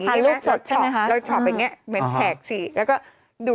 น้ำมันข้างในใช่ไหมครับ